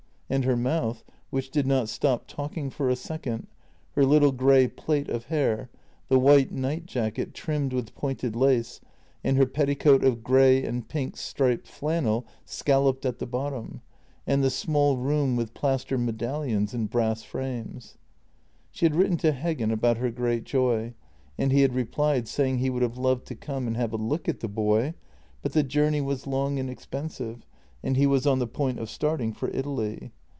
And her mouth, which did not stop talking for a second, her little grey plait of hair, the white night jacket trimmed with pointed lace, and her petticoat of grey and pink stripped flannel scalloped at the bottom. And the small room with plaster medallions in brass frames. She had written to Heggen about her great joy, and he had replied saying he would have loved to come and have a look at the boy, but the journey was long and expensive and he was on the point of starting for Italy.